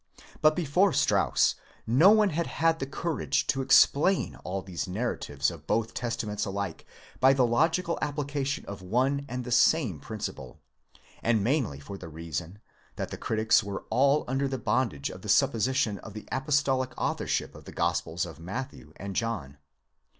But before Strauss no one had had the courage to explain all these narratives of both Testa ments alike by the logical application of one and the same principle; and mainly for the reason, that the critics were all under the bondage of the supposition of the apostolic authorship of the Gospels of Matthew and John.